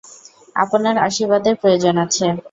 আপনার আশীর্বাদের প্রয়োজন আছে।